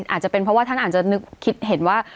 อาจจะเป็นเพราะว่าท่านอาจจะนึกคิดเห็นว่า